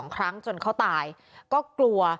๒ครั้งจนเขาตายก็กลัว